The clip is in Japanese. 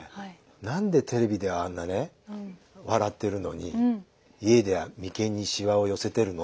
「何でテレビではあんなね笑ってるのに家では眉間にしわを寄せてるの？」